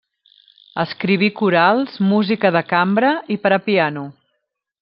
Escriví corals, música de cambra i per a piano.